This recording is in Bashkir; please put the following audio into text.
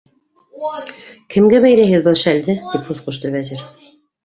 - Кемгә бәйләйһегеҙ был шәлде? - тип һүҙ ҡушты Вәзир.